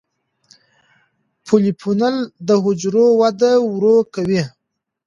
پولیفینول د حجرو وده ورو کوي.